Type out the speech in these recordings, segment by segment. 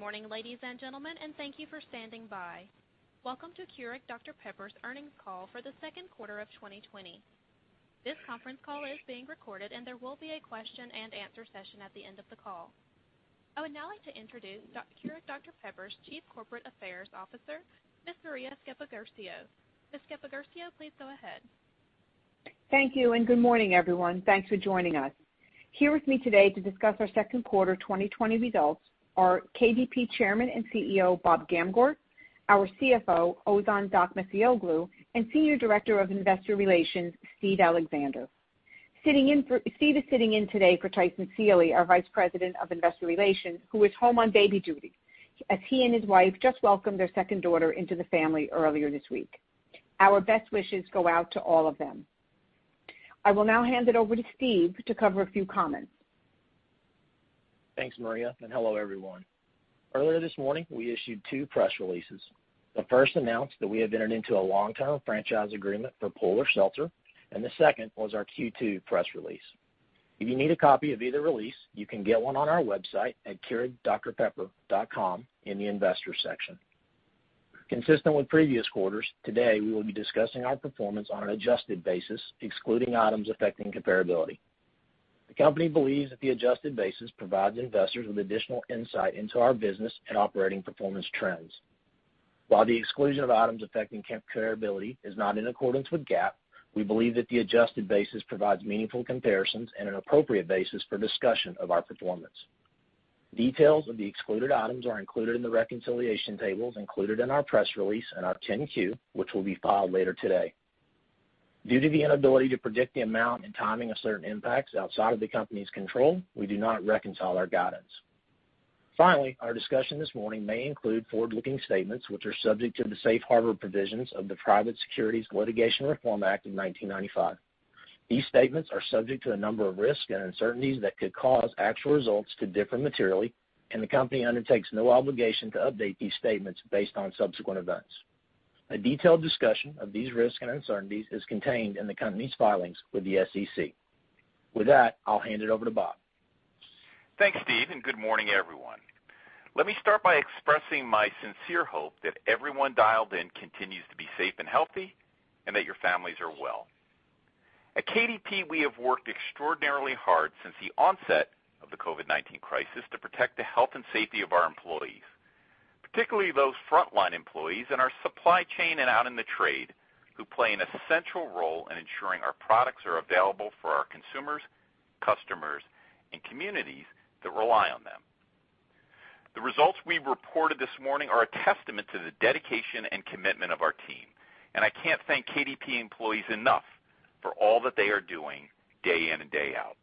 Morning, ladies and gentlemen, thank you for standing by. Welcome to Keurig Dr Pepper's earnings call for the second quarter of 2020. This conference call is being recorded, and there will be a question-and-answer session at the end of the call. I would now like to introduce Keurig Dr Pepper's Chief Corporate Affairs Officer, Ms. Maria Sceppaguercio. Ms. Sceppaguercio, please go ahead. Thank you, and good morning, everyone. Thanks for joining us. Here with me today to discuss our second quarter 2020 results are KDP Chairman and CEO, Bob Gamgort, our CFO, Ozan Dokmecioglu, and Senior Director of Investor Relations, Steve Alexander. Steve is sitting in today for Tyson Seely, our Vice President of Investor Relations, who is home on baby duty, as he and his wife just welcomed their second daughter into the family earlier this week. Our best wishes go out to all of them. I will now hand it over to Steve to cover a few comments. Thanks, Maria, and hello, everyone. Earlier this morning, we issued two press releases. The first announced that we have entered into a long-term franchise agreement for Polar Seltzer, and the second was our Q2 press release. If you need a copy of either release, you can get one on our website at keurigdrpepper.com in the investors section. Consistent with previous quarters, today we will be discussing our performance on an adjusted basis, excluding items affecting comparability. The company believes that the adjusted basis provides investors with additional insight into our business and operating performance trends. While the exclusion of items affecting comparability is not in accordance with GAAP, we believe that the adjusted basis provides meaningful comparisons and an appropriate basis for discussion of our performance. Details of the excluded items are included in the reconciliation tables included in our press release and our 10-Q, which will be filed later today. Due to the inability to predict the amount and timing of certain impacts outside of the company's control, we do not reconcile our guidance. Our discussion this morning may include forward-looking statements which are subject to the safe harbor provisions of the Private Securities Litigation Reform Act of 1995. These statements are subject to a number of risks and uncertainties that could cause actual results to differ materially, and the company undertakes no obligation to update these statements based on subsequent events. A detailed discussion of these risks and uncertainties is contained in the company's filings with the SEC. With that, I'll hand it over to Bob. Thanks, Steve, and good morning, everyone. Let me start by expressing my sincere hope that everyone dialed in continues to be safe and healthy, and that your families are well. At KDP, we have worked extraordinarily hard since the onset of the COVID-19 crisis to protect the health and safety of our employees, particularly those frontline employees in our supply chain and out in the trade who play an essential role in ensuring our products are available for our consumers, customers, and communities that rely on them. The results we've reported this morning are a testament to the dedication and commitment of our team, and I can't thank KDP employees enough for all that they are doing day in and day out.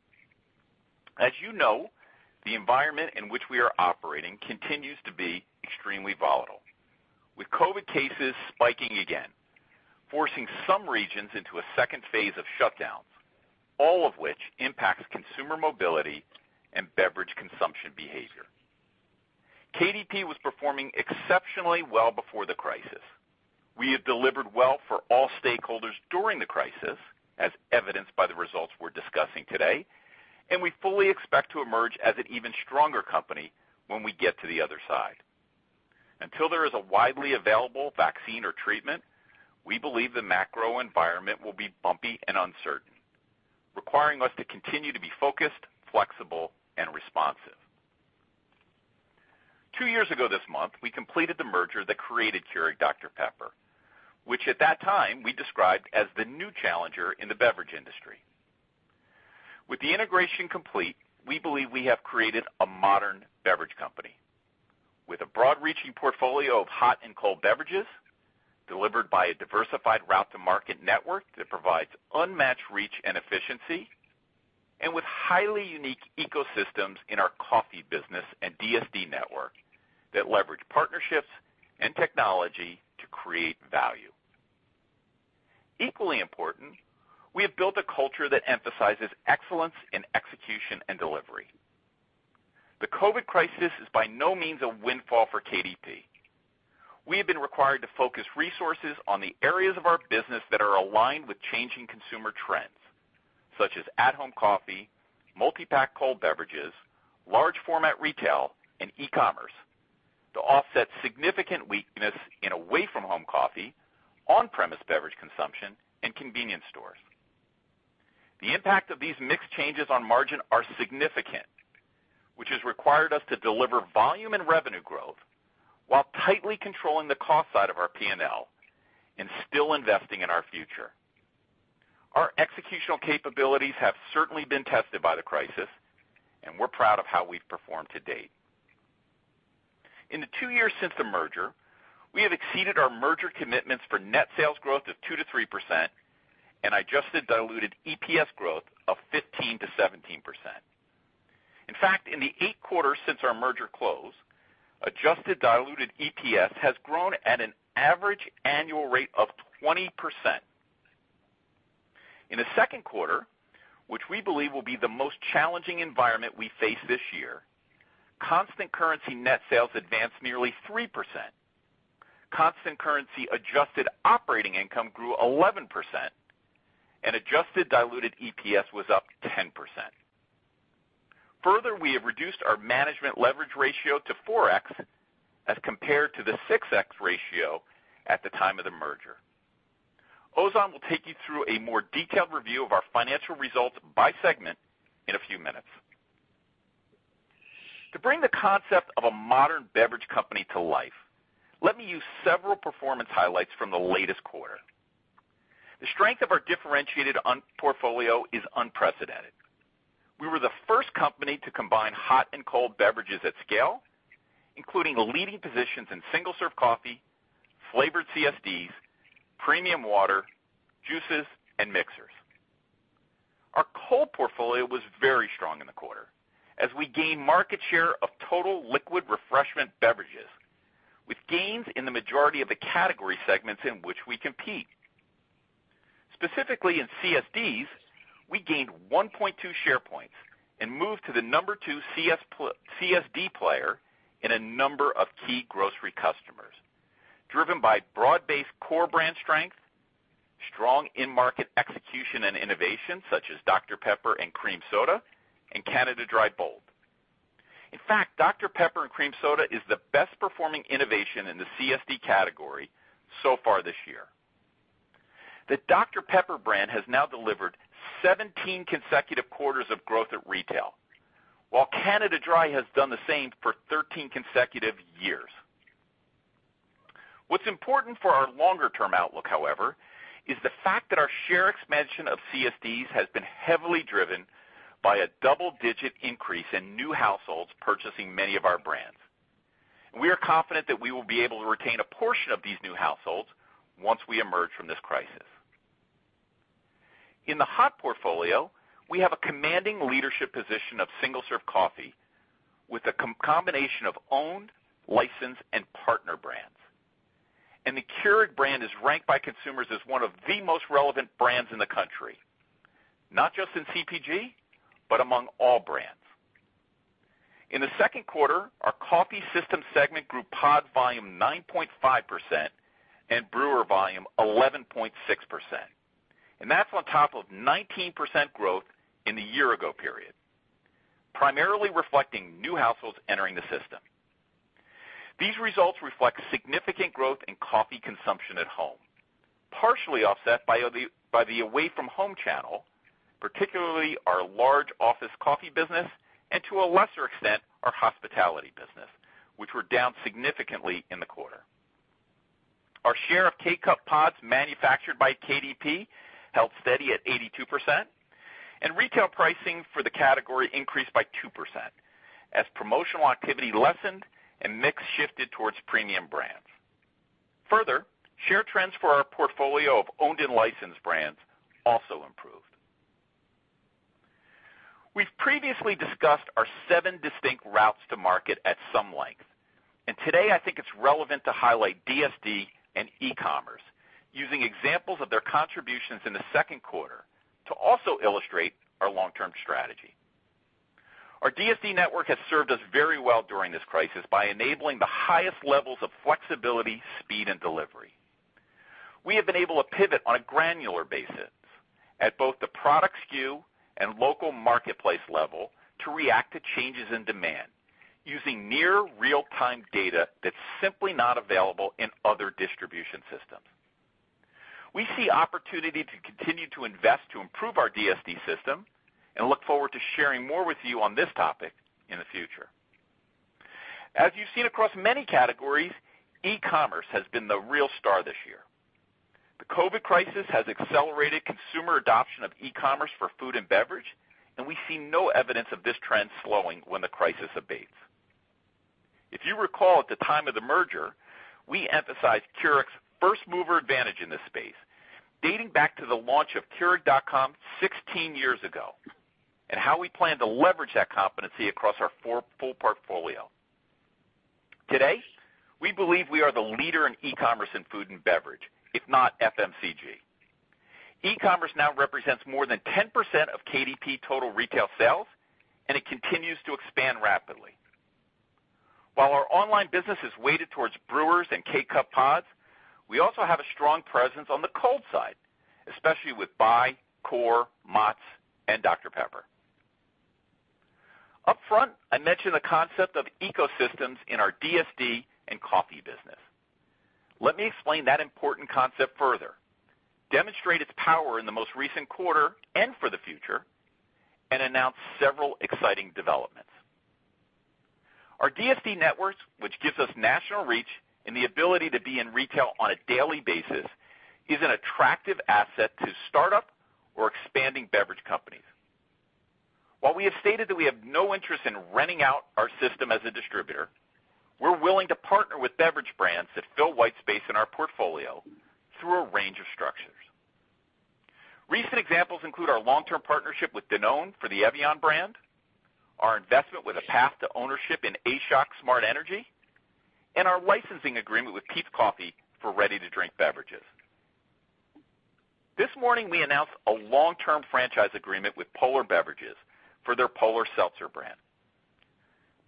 As you know, the environment in which we are operating continues to be extremely volatile, with COVID cases spiking again, forcing some regions into a second phase of shutdowns, all of which impacts consumer mobility and beverage consumption behavior. KDP was performing exceptionally well before the crisis. We have delivered well for all stakeholders during the crisis, as evidenced by the results we're discussing today, and we fully expect to emerge as an even stronger company when we get to the other side. Until there is a widely available vaccine or treatment, we believe the macro environment will be bumpy and uncertain, requiring us to continue to be focused, flexible, and responsive. Two years ago this month, we completed the merger that created Keurig Dr Pepper, which at that time we described as the new challenger in the beverage industry. With the integration complete, we believe we have created a modern beverage company with a broad-reaching portfolio of hot and cold beverages delivered by a diversified route-to-market network that provides unmatched reach and efficiency, and with highly unique ecosystems in our coffee business and DSD network that leverage partnerships and technology to create value. Equally important, we have built a culture that emphasizes excellence in execution and delivery. The COVID crisis is by no means a windfall for KDP. We have been required to focus resources on the areas of our business that are aligned with changing consumer trends, such as at-home coffee, multi-pack cold beverages, large-format retail, and e-commerce to offset significant weakness in away-from-home coffee, on-premise beverage consumption, and convenience stores. The impact of these mixed changes on margin are significant, which has required us to deliver volume and revenue growth while tightly controlling the cost side of our P&L and still investing in our future. Our executional capabilities have certainly been tested by the crisis, and we're proud of how we've performed to date. In the two years since the merger, we have exceeded our merger commitments for net sales growth of 2%-3% and adjusted diluted EPS growth of 15%-17%. In fact, in the eight quarters since our merger close, adjusted diluted EPS has grown at an average annual rate of 20%. In the second quarter, which we believe will be the most challenging environment we face this year, constant currency net sales advanced nearly 3%. Constant currency adjusted operating income grew 11%, and adjusted diluted EPS was up 10%. Further, we have reduced our management leverage ratio to 4x as compared to the 6x ratio at the time of the merger. Ozan will take you through a more detailed review of our financial results by segment in a few minutes. To bring the concept of a modern beverage company to life, let me use several performance highlights from the latest quarter. The strength of our differentiated portfolio is unprecedented. We were the first company to combine hot and cold beverages at scale, including leading positions in single-serve coffee, flavored CSDs, premium water, juices, and mixers. Our cold portfolio was very strong in the quarter as we gained market share of total liquid refreshment beverages, with gains in the majority of the category segments in which we compete. Specifically, in CSDs, we gained 1.2 share points and moved to the number two CSD player in a number of key grocery customers, driven by broad-based core brand strength, strong in-market execution and innovation, such as Dr Pepper & Cream Soda, and Canada Dry Bold. In fact, Dr Pepper & Cream Soda is the best-performing innovation in the CSD category so far this year. The Dr Pepper brand has now delivered 17 consecutive quarters of growth at retail, while Canada Dry has done the same for 13 consecutive years. What's important for our longer-term outlook, however, is the fact that our share expansion of CSDs has been heavily driven by a double-digit increase in new households purchasing many of our brands. We are confident that we will be able to retain a portion of these new households once we emerge from this crisis. In the hot portfolio, we have a commanding leadership position of single-serve coffee with a combination of owned, licensed, and partner brands. The Keurig brand is ranked by consumers as one of the most relevant brands in the country, not just in CPG, but among all brands. In the second quarter, our coffee systems segment grew pod volume 9.5% and brewer volume 11.6%, and that's on top of 19% growth in the year-ago period, primarily reflecting new households entering the system. These results reflect significant growth in coffee consumption at home, partially offset by the away-from-home channel, particularly our large office coffee business and, to a lesser extent, our hospitality business, which were down significantly in the quarter. Our share of K-Cup pods manufactured by KDP held steady at 82%, and retail pricing for the category increased by 2% as promotional activity lessened and mix shifted towards premium brands. Further, share trends for our portfolio of owned and licensed brands also improved. We've previously discussed our seven distinct routes to market at some length, and today I think it's relevant to highlight DSD and e-commerce using examples of their contributions in the second quarter to also illustrate our long-term strategy. Our DSD network has served us very well during this crisis by enabling the highest levels of flexibility, speed, and delivery. We have been able to pivot on a granular basis at both the product SKU and local marketplace level to react to changes in demand using near real-time data that's simply not available in other distribution systems. We see opportunity to continue to invest to improve our DSD system and look forward to sharing more with you on this topic in the future. As you've seen across many categories, e-commerce has been the real star this year. The COVID-19 crisis has accelerated consumer adoption of e-commerce for food and beverage. We see no evidence of this trend slowing when the crisis abates. If you recall at the time of the merger, we emphasized Keurig's first-mover advantage in this space dating back to the launch of Keurig.com 16 years ago and how we planned to leverage that competency across our full portfolio. Today, we believe we are the leader in e-commerce in food and beverage, if not FMCG. E-commerce now represents more than 10% of KDP total retail sales. It continues to expand rapidly. While our online business is weighted towards brewers and K-Cup pods, we also have a strong presence on the cold side, especially with Bai, CORE, Mott's, and Dr Pepper. Up front, I mentioned the concept of ecosystems in our DSD and coffee business. Let me explain that important concept further, demonstrate its power in the most recent quarter and for the future, and announce several exciting developments. Our DSD networks, which gives us national reach and the ability to be in retail on a daily basis, is an attractive asset to startup or expanding beverage companies. While we have stated that we have no interest in renting out our system as a distributor, we're willing to partner with beverage brands that fill white space in our portfolio through a range of structures. Recent examples include our long-term partnership with Danone for the evian brand, our investment with a path to ownership in Adrenaline Shoc Smart Energy, and our licensing agreement with Peet's Coffee for ready-to-drink beverages. This morning, we announced a long-term franchise agreement with Polar Beverages for their Polar Seltzer brand.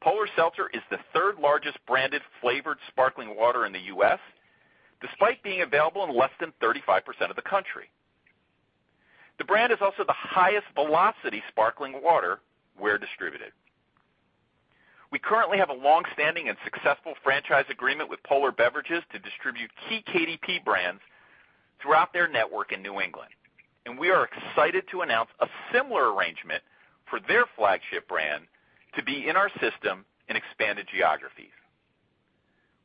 Polar Seltzer is the third-largest branded flavored sparkling water in the U.S., despite being available in less than 35% of the country. The brand is also the highest velocity sparkling water where distributed. We currently have a long-standing and successful franchise agreement with Polar Beverages to distribute key KDP brands throughout their network in New England, and we are excited to announce a similar arrangement for their flagship brand to be in our system in expanded geographies.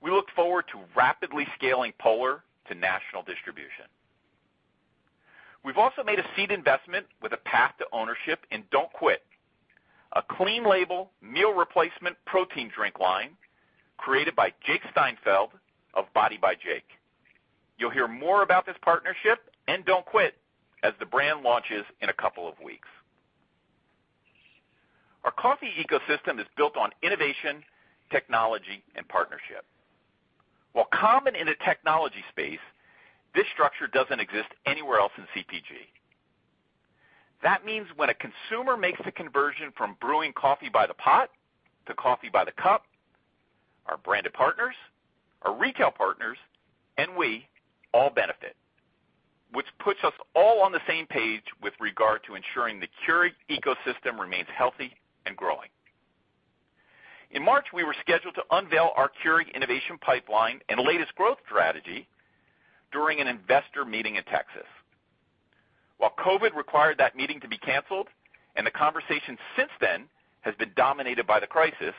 We look forward to rapidly scaling Polar to national distribution. We've also made a seed investment with a path to ownership in Don't Quit!, a clean label meal replacement protein drink line created by Jake Steinfeld of Body by Jake. You'll hear more about this partnership and Don't Quit! as the brand launches in a couple of weeks. Our coffee ecosystem is built on innovation, technology, and partnership. While common in the technology space, this structure doesn't exist anywhere else in CPG. That means when a consumer makes the conversion from brewing coffee by the pot to coffee by the cup, our branded partners, our retail partners, and we all benefit, which puts us all on the same page with regard to ensuring the Keurig ecosystem remains healthy and growing. In March, we were scheduled to unveil our Keurig innovation pipeline and latest growth strategy during an investor meeting in Texas. While COVID required that meeting to be canceled and the conversation since then has been dominated by the crisis,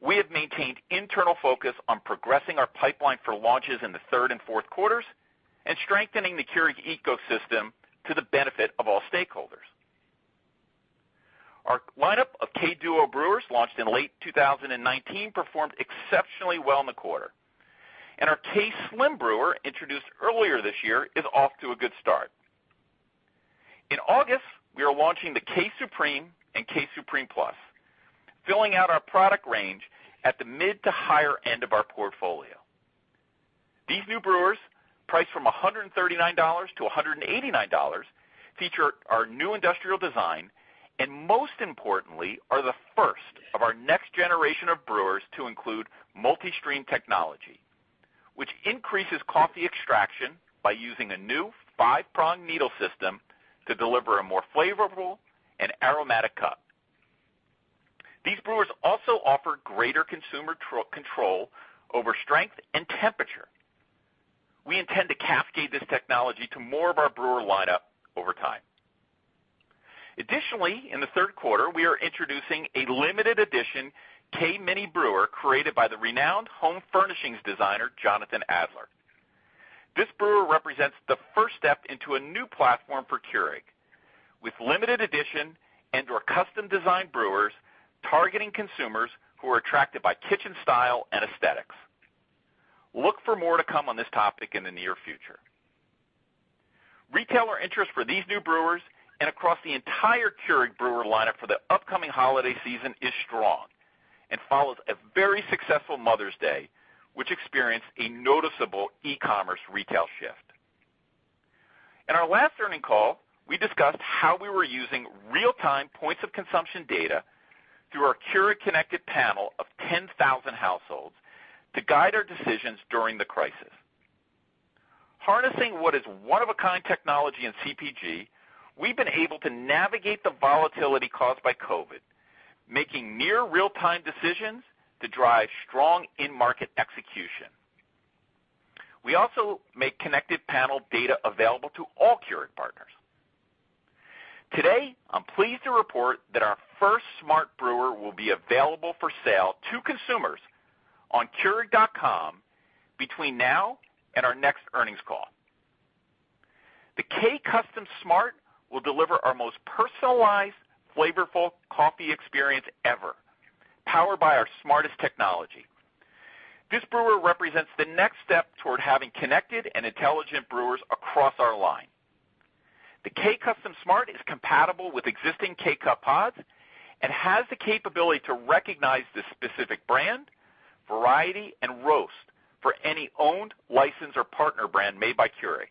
we have maintained internal focus on progressing our pipeline for launches in the third and fourth quarters and strengthening the Keurig ecosystem to the benefit of all stakeholders. Our lineup of K-Duo Brewers launched in late 2019 performed exceptionally well in the quarter. Our K-Slim, introduced earlier this year, is off to a good start. In August, we are launching the K-Supreme and K-Supreme Plus, filling out our product range at the mid to higher end of our portfolio. These new brewers, priced from $139-$189, feature our new industrial design and, most importantly, are the first of our next generation of brewers to include MultiStream Technology, which increases coffee extraction by using a new five-prong needle system to deliver a more flavorful and aromatic cup. These brewers also offer greater consumer control over strength and temperature. We intend to cascade this technology to more of our brewer lineup over time. Additionally, in the third quarter, we are introducing a limited edition K-Mini brewer created by the renowned home furnishings designer Jonathan Adler. This brewer represents the first step into a new platform for Keurig with limited edition and/or custom-designed brewers targeting consumers who are attracted by kitchen style and aesthetics. Look for more to come on this topic in the near future. Retailer interest for these new brewers and across the entire Keurig brewer lineup for the upcoming holiday season is strong and follows a very successful Mother's Day, which experienced a noticeable e-commerce retail shift. In our last earnings call, we discussed how we were using real-time points of consumption data through our Keurig Connected Panel of 10,000 households to guide our decisions during the crisis. Harnessing what is one-of-a-kind technology in CPG, we've been able to navigate the volatility caused by COVID, making near real-time decisions to drive strong in-market execution. We also make Connected Panel data available to all Keurig partners. Today, I'm pleased to report that our first smart brewer will be available for sale to consumers on keurig.com between now and our next earnings call. The K-Custom Smart will deliver our most personalized, flavorful coffee experience ever, powered by our smartest technology. This brewer represents the next step toward having connected and intelligent brewers across our line. The K-Custom Smart is compatible with existing K-Cup pods and has the capability to recognize the specific brand, variety, and roast for any owned, licensed, or partner brand made by Keurig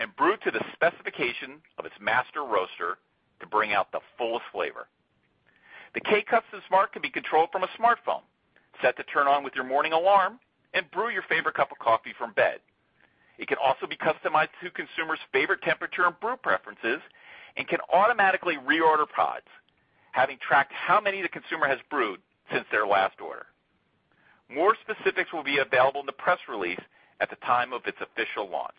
and brew to the specification of its master roaster to bring out the fullest flavor. The K-Custom Smart can be controlled from a smartphone, set to turn on with your morning alarm, and brew your favorite cup of coffee from bed. It can also be customized to consumers' favorite temperature and brew preferences and can automatically reorder pods, having tracked how many the consumer has brewed since their last order. More specifics will be available in the press release at the time of its official launch.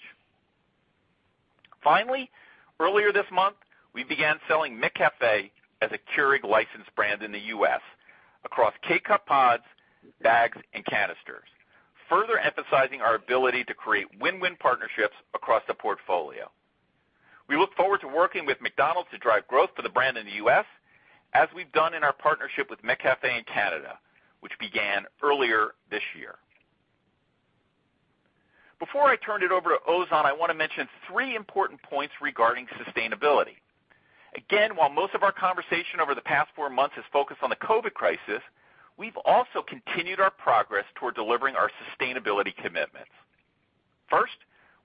Earlier this month, we began selling McCafé as a Keurig licensed brand in the U.S. across K-Cup pods, bags, and canisters, further emphasizing our ability to create win-win partnerships across the portfolio. We look forward to working with McDonald's to drive growth for the brand in the U.S., as we've done in our partnership with McCafé in Canada, which began earlier this year. Before I turn it over to Ozan, I want to mention three important points regarding sustainability. Again, while most of our conversation over the past four months has focused on the COVID-19 crisis, we've also continued our progress toward delivering our sustainability commitments. First,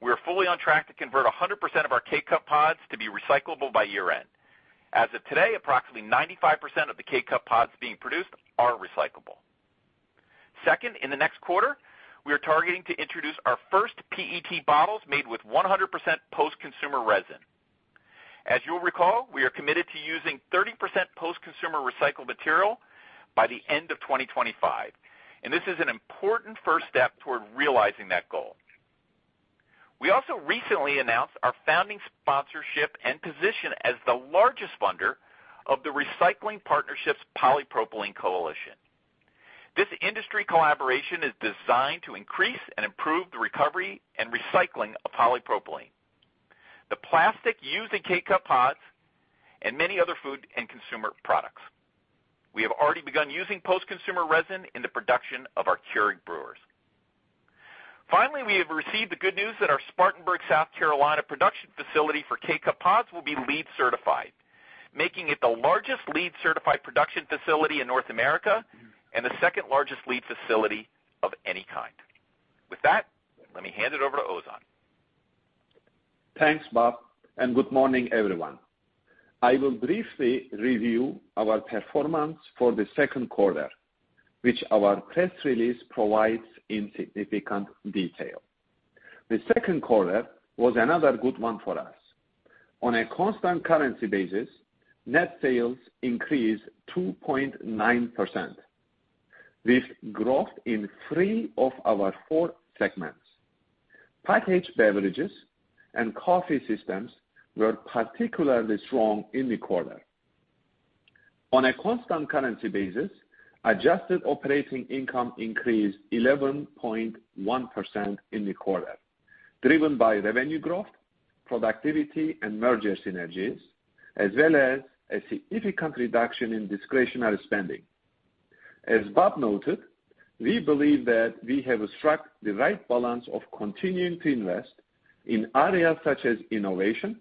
we are fully on track to convert 100% of our K-Cup pods to be recyclable by year-end. As of today, approximately 95% of the K-Cup pods being produced are recyclable. Second, in the next quarter, we are targeting to introduce our first PET bottles made with 100% post-consumer resin. As you'll recall, we are committed to using 30% post-consumer recycled material by the end of 2025, and this is an important first step toward realizing that goal. We also recently announced our founding sponsorship and position as the largest funder of The Recycling Partnership's Polypropylene Recycling Coalition. This industry collaboration is designed to increase and improve the recovery and recycling of polypropylene, the plastic used in K-Cup pods and many other food and consumer products. We have already begun using post-consumer resin in the production of our Keurig brewers. Finally, we have received the good news that our Spartanburg, South Carolina production facility for K-Cup pods will be LEED certified, making it the largest LEED certified production facility in North America and the second-largest LEED facility of any kind. With that, let me hand it over to Ozan. Thanks, Bob, and good morning, everyone. I will briefly review our performance for the second quarter, which our press release provides in significant detail. The second quarter was another good one for us. On a constant currency basis, net sales increased 2.9%, with growth in three of our four segments. Packaged beverages and coffee systems were particularly strong in the quarter. On a constant currency basis, adjusted operating income increased 11.1% in the quarter, driven by revenue growth, productivity and merger synergies, as well as a significant reduction in discretionary spending. As Bob noted, we believe that we have struck the right balance of continuing to invest in areas such as innovation,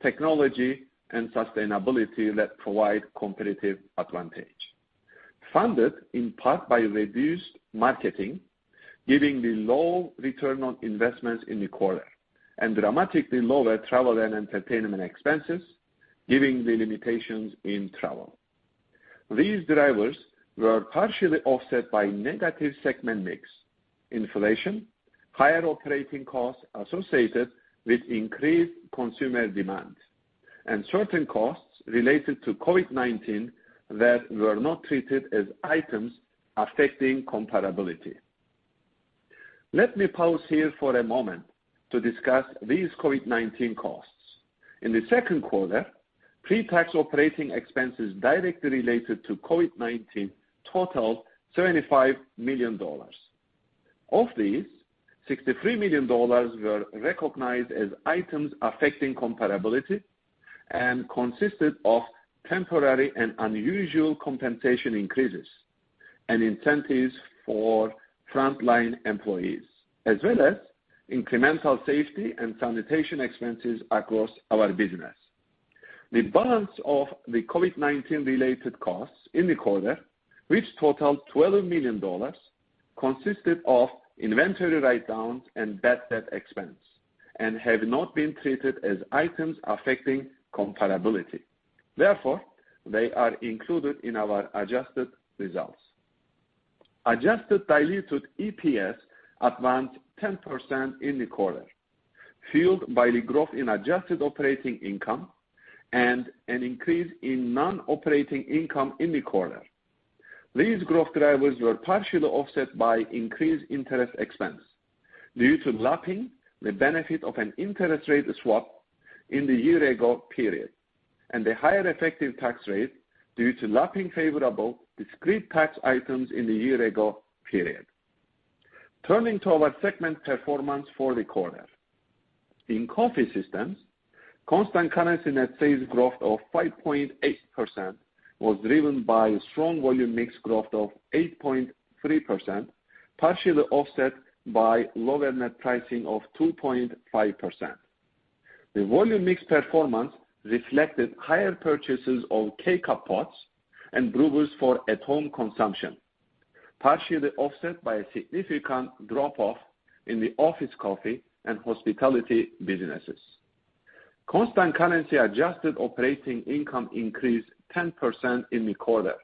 technology, and sustainability that provide competitive advantage. Funded in part by reduced marketing, given the low return on investments in the quarter, and dramatically lower travel and entertainment expenses, given the limitations in travel. These drivers were partially offset by negative segment mix inflation, higher operating costs associated with increased consumer demand, and certain costs related to COVID-19 that were not treated as items affecting comparability. Let me pause here for a moment to discuss these COVID-19 costs. In the second quarter, pre-tax operating expenses directly related to COVID-19 totaled $75 million. Of these, $63 million were recognized as items affecting comparability and consisted of temporary and unusual compensation increases and incentives for frontline employees, as well as incremental safety and sanitation expenses across our business. The balance of the COVID-19 related costs in the quarter, which totaled $12 million, consisted of inventory write-downs and bad debt expense and have not been treated as items affecting comparability. Therefore, they are included in our adjusted results. Adjusted diluted EPS advanced 10% in the quarter, fueled by the growth in adjusted operating income and an increase in non-operating income in the quarter. These growth drivers were partially offset by increased interest expense due to lapping the benefit of an interest rate swap in the year ago period, and the higher effective tax rate due to lapping favorable discrete tax items in the year ago period. Turning to our segment performance for the quarter. In Coffee Systems, constant currency net sales growth of 5.8% was driven by strong volume mix growth of 8.3%, partially offset by lower net pricing of 2.5%. The volume mix performance reflected higher purchases of K-Cup pods and brewers for at-home consumption, partially offset by a significant drop-off in the office coffee and hospitality businesses. Constant currency adjusted operating income increased 10% in the quarter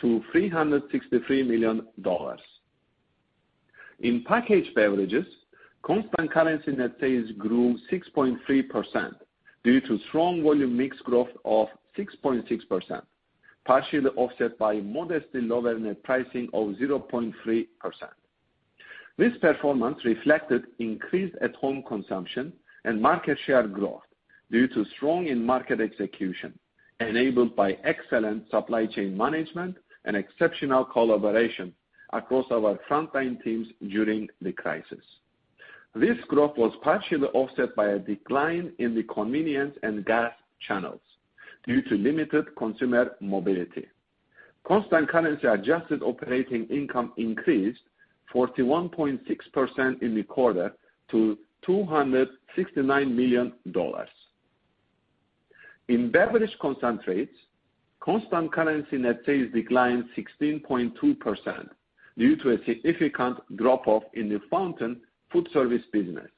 to $363 million. In packaged beverages, constant currency net sales grew 6.3% due to strong volume mix growth of 6.6%, partially offset by modestly lower net pricing of 0.3%. This performance reflected increased at-home consumption and market share growth due to strong in-market execution, enabled by excellent supply chain management and exceptional collaboration across our frontline teams during the crisis. This growth was partially offset by a decline in the convenience and gas channels due to limited consumer mobility. Constant currency adjusted operating income increased 41.6% in the quarter to $269 million. In beverage concentrates, constant currency net sales declined 16.2% due to a significant drop-off in the fountain food service business,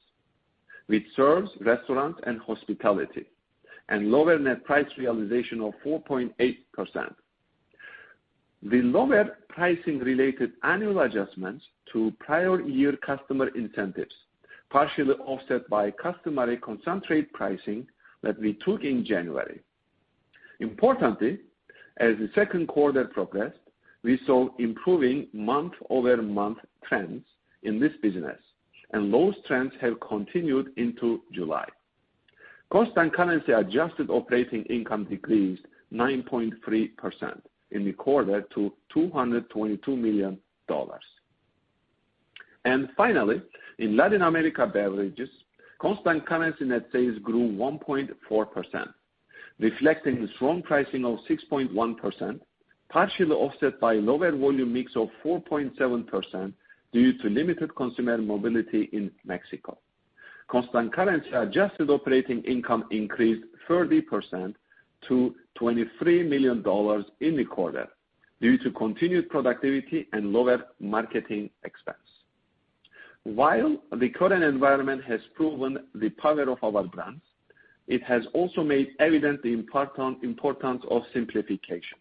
which serves restaurants and hospitality, and lower net price realization of 4.8%. The lower pricing-related annual adjustments to prior year customer incentives partially offset by customary concentrate pricing that we took in January. Importantly, as the second quarter progressed, we saw improving month-over-month trends in this business, and those trends have continued into July. Constant currency adjusted operating income decreased 9.3% in the quarter to $222 million. Finally, in Latin America beverages, constant currency net sales grew 1.4%, reflecting the strong pricing of 6.1%, partially offset by lower volume mix of 4.7% due to limited consumer mobility in Mexico. Constant currency adjusted operating income increased 30% to $23 million in the quarter due to continued productivity and lower marketing expense. While the current environment has proven the power of our brands, it has also made evident the importance of simplification.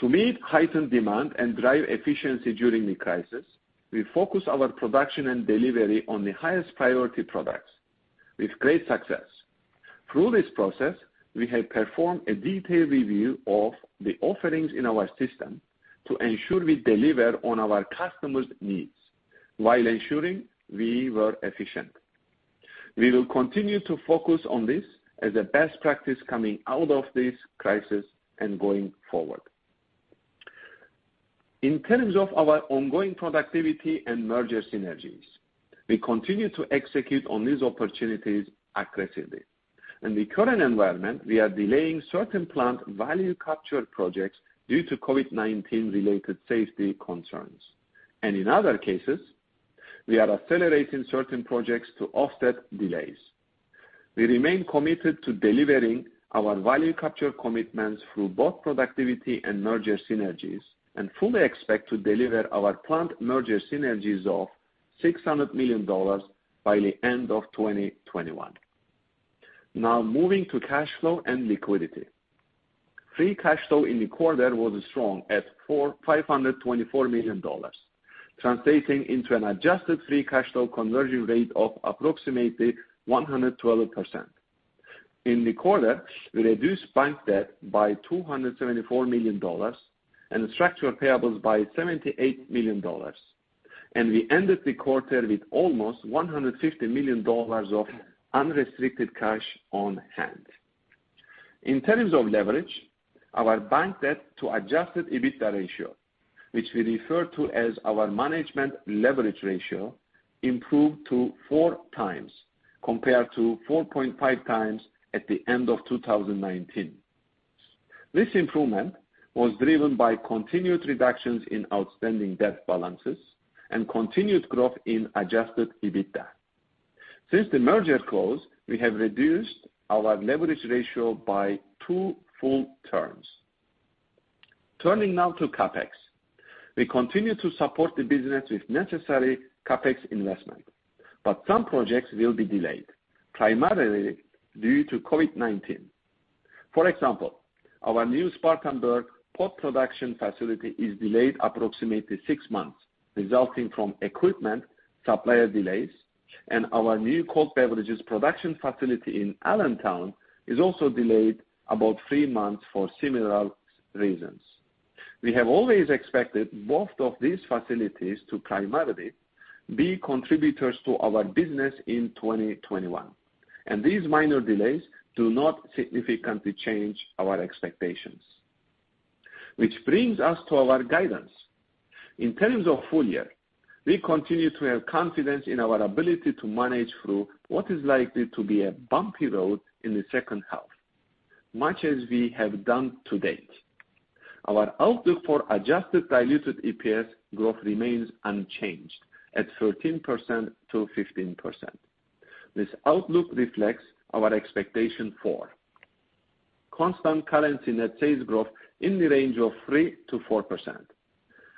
To meet heightened demand and drive efficiency during the crisis, we focus our production and delivery on the highest priority products with great success. Through this process, we have performed a detailed review of the offerings in our system to ensure we deliver on our customers' needs while ensuring we were efficient. We will continue to focus on this as a best practice coming out of this crisis and going forward. In terms of our ongoing productivity and merger synergies, we continue to execute on these opportunities aggressively. In the current environment, we are delaying certain planned value capture projects due to COVID-19 related safety concerns. In other cases, we are accelerating certain projects to offset delays. We remain committed to delivering our value capture commitments through both productivity and merger synergies, and fully expect to deliver our plant merger synergies of $600 million by the end of 2021. Now moving to cash flow and liquidity. Free cash flow in the quarter was strong at $524 million, translating into an adjusted free cash flow conversion rate of approximately 112%. In the quarter, we reduced bank debt by $274 million and structural payables by $78 million. We ended the quarter with almost $150 million of unrestricted cash on hand. In terms of leverage, our bank debt to adjusted EBITDA ratio, which we refer to as our management leverage ratio, improved to four times compared to 4.5 times at the end of 2019. This improvement was driven by continued reductions in outstanding debt balances and continued growth in adjusted EBITDA. Since the merger close, we have reduced our leverage ratio by two full terms. Turning now to CapEx. We continue to support the business with necessary CapEx investment, some projects will be delayed, primarily due to COVID-19. For example, our new Spartanburg pod production facility is delayed approximately six months, resulting from equipment supplier delays. Our new cold beverages production facility in Allentown is also delayed about three months for similar reasons. We have always expected both of these facilities to primarily be contributors to our business in 2021. These minor delays do not significantly change our expectations. Which brings us to our guidance. In terms of full year, we continue to have confidence in our ability to manage through what is likely to be a bumpy road in the second half, much as we have done to date. Our outlook for adjusted diluted EPS growth remains unchanged at 13%-15%. This outlook reflects our expectation for constant currency net sales growth in the range of 3%-4%.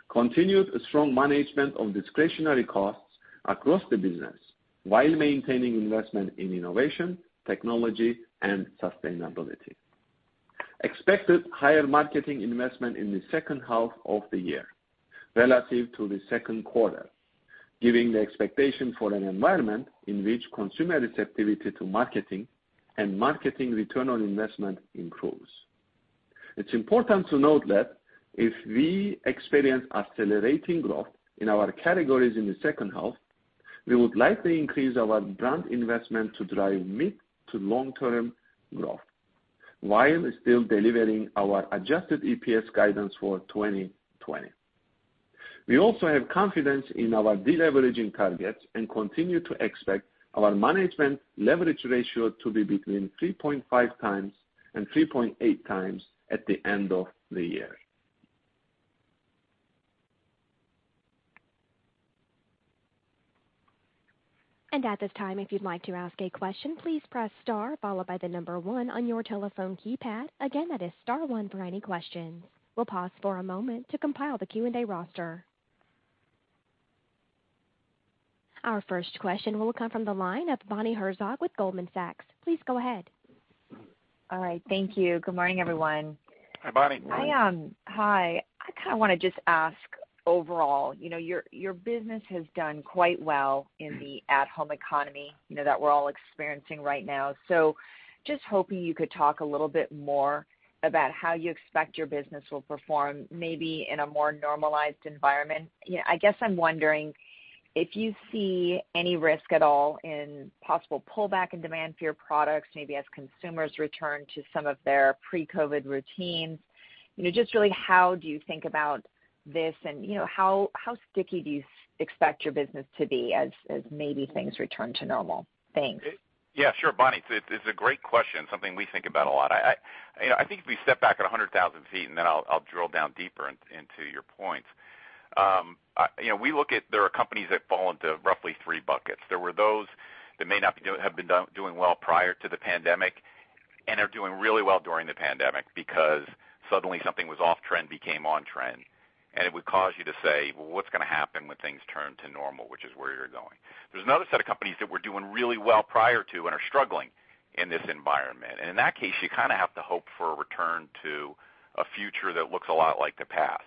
Continued strong management of discretionary costs across the business while maintaining investment in innovation, technology, and sustainability. Expected higher marketing investment in the second half of the year relative to the second quarter, giving the expectation for an environment in which consumer receptivity to marketing and marketing return on investment improves. It's important to note that if we experience accelerating growth in our categories in the second half, we would likely increase our brand investment to drive mid to long-term growth while still delivering our adjusted EPS guidance for 2020. We also have confidence in our deleveraging targets and continue to expect our management leverage ratio to be between 3.5x and 3.8x at the end of the year. At this time, if you'd like to ask a question, please press star followed by the number one on your telephone keypad. Again, that is star one for any questions. We'll pause for a moment to compile the Q&A roster. Our first question will come from the line of Bonnie Herzog with Goldman Sachs. Please go ahead. All right. Thank you. Good morning, everyone. Hi, Bonnie. Hi. I kind of want to just ask overall, your business has done quite well in the at-home economy that we're all experiencing right now. Just hoping you could talk a little bit more about how you expect your business will perform, maybe in a more normalized environment. I guess I'm wondering if I see any risk at all in possible pullback in demand for your products, maybe as consumers return to some of their pre-COVID routines. Just really how do you think about this and how sticky do you expect your business to be as maybe things return to normal? Thanks. Yeah, sure, Bonnie. It's a great question, something we think about a lot. I think if we step back at 100,000 feet, and then I'll drill down deeper into your points. There are companies that fall into roughly three buckets. There were those that may not have been doing well prior to the pandemic, and are doing really well during the pandemic because suddenly something was off trend became on trend, and it would cause you to say, "Well, what's going to happen when things turn to normal?" Which is where you're going. There's another set of companies that were doing really well prior to and are struggling in this environment. In that case, you kind of have to hope for a return to a future that looks a lot like the past.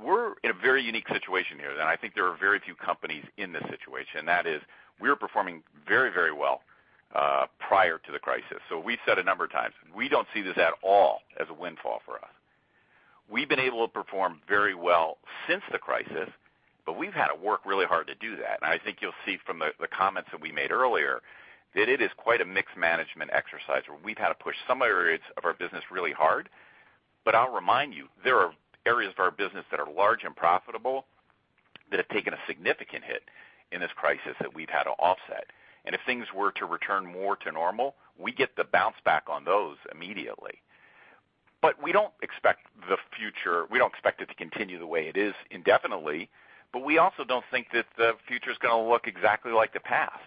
We're in a very unique situation here, and I think there are very few companies in this situation, and that is we were performing very well prior to the crisis. We've said a number of times, we don't see this at all as a windfall for us. We've been able to perform very well since the crisis, but we've had to work really hard to do that. I think you'll see from the comments that we made earlier, that it is quite a mixed management exercise where we've had to push some areas of our business really hard. I'll remind you, there are areas of our business that are large and profitable that have taken a significant hit in this crisis that we've had to offset. If things were to return more to normal, we get the bounce back on those immediately. We don't expect the future, we don't expect it to continue the way it is indefinitely, but we also don't think that the future's gonna look exactly like the past.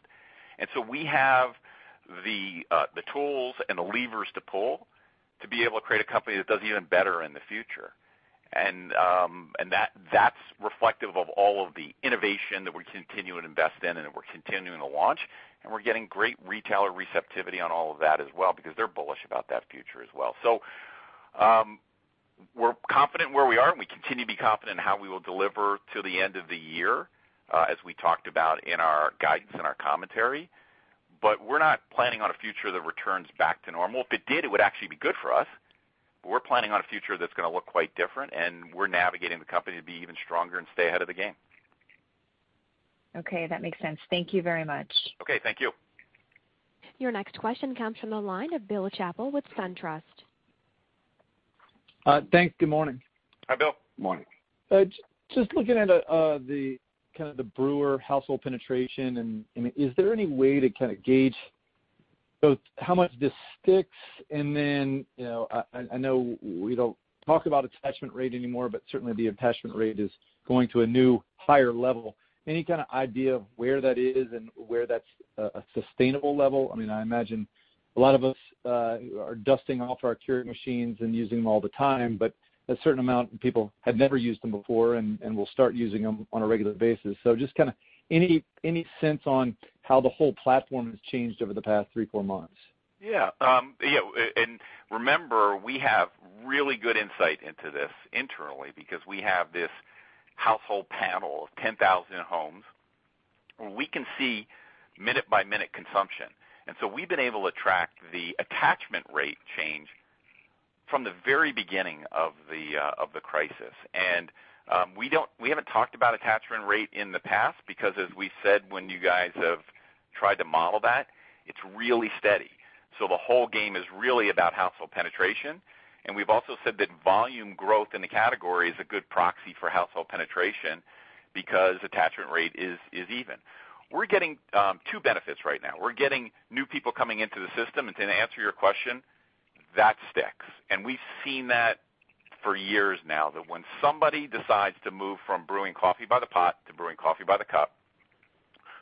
We have the tools and the levers to pull to be able to create a company that does even better in the future. That's reflective of all of the innovation that we continue to invest in and that we're continuing to launch, and we're getting great retailer receptivity on all of that as well, because they're bullish about that future as well. We're confident where we are, and we continue to be confident in how we will deliver to the end of the year, as we talked about in our guidance, in our commentary. We're not planning on a future that returns back to normal. If it did, it would actually be good for us. We're planning on a future that's gonna look quite different, and we're navigating the company to be even stronger and stay ahead of the game. Okay, that makes sense. Thank you very much. Okay, thank you. Your next question comes from the line of Bill Chappell with SunTrust. Thanks. Good morning. Hi, Bill. Morning. Just looking at kind of the brewer household penetration and is there any way to kind of gauge both how much this sticks and then, I know we don't talk about attachment rate anymore, but certainly the attachment rate is going to a new higher level. Any kind of idea of where that is and where that's a sustainable level? I imagine a lot of us are dusting off our Keurig machines and using them all the time, but a certain amount of people have never used them before and will start using them on a regular basis. Just kind of any sense on how the whole platform has changed over the past three, four months? Yeah. Remember, we have really good insight into this internally because we have this household panel of 10,000 homes where we can see minute-by-minute consumption. We've been able to track the attachment rate change from the very beginning of the crisis. We haven't talked about attachment rate in the past because as we said when you guys have tried to model that, it's really steady. The whole game is really about household penetration, and we've also said that volume growth in the category is a good proxy for household penetration because attachment rate is even. We're getting two benefits right now. We're getting new people coming into the system, and to answer your question, that sticks. We've seen that for years now, that when somebody decides to move from brewing coffee by the pot to brewing coffee by the cup,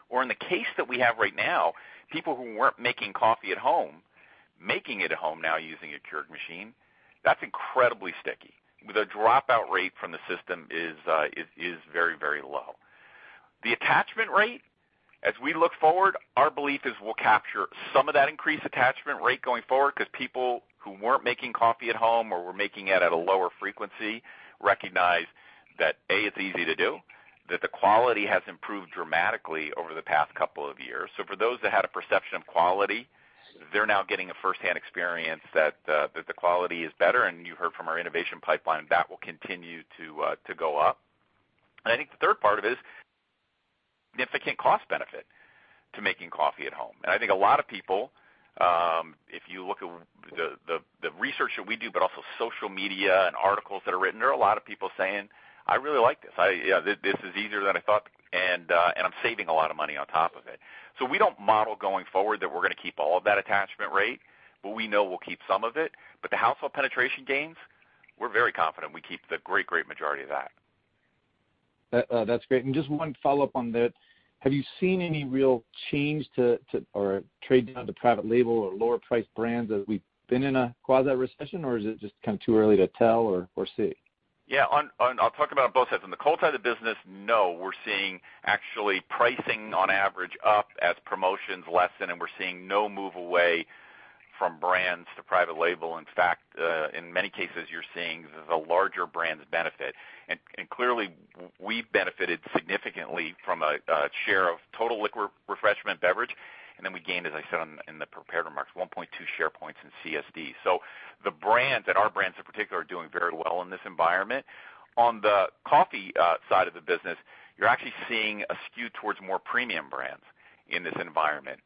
or in the case that we have right now, people who weren't making coffee at home, making it at home now using a Keurig machine, that's incredibly sticky. The dropout rate from the system is very low. The attachment rate, as we look forward, our belief is we'll capture some of that increased attachment rate going forward because people who weren't making coffee at home or were making it at a lower frequency recognize that, A, it's easy to do, that the quality has improved dramatically over the past couple of years. For those that had a perception of quality, they're now getting a firsthand experience that the quality is better. You heard from our innovation pipeline, that will continue to go up. I think the third part of it is a significant cost benefit to making coffee at home. I think a lot of people, if you look at the research that we do, but also social media and articles that are written, there are a lot of people saying, "I really like this. This is easier than I thought, and I'm saving a lot of money on top of it." We don't model going forward that we're going to keep all of that attachment rate, but we know we'll keep some of it. The household penetration gains, we're very confident we keep the great majority of that. That's great. Just one follow-up on that. Have you seen any real change to, or trade down to private label or lower priced brands as we've been in a quasi-recession? Is it just kind of too early to tell or see? Yeah. I'll talk about both sides. On the cold side of the business, no. We're seeing actually pricing on average up as promotions lessen, and we're seeing no move away from brands to private label. In fact, in many cases, you're seeing the larger brands benefit. Clearly, we've benefited significantly from a share of total liquid refreshment beverage. We gained, as I said in the prepared remarks, 1.2 share points in CSD. The brands, and our brands in particular, are doing very well in this environment. On the coffee side of the business, you're actually seeing a skew towards more premium brands in this environment.